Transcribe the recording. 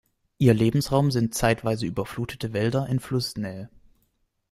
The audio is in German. Ihr Lebensraum sind zeitweise überflutete Wälder in Flussnähe.